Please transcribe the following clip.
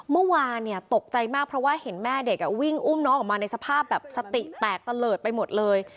เมื่อวานตกใจมากเพราะว่าเห็นแม่เด็กวิ่งอุ้มน้องออกมาในสภาพแบบสติแตกตะเลิศไปหมดเลย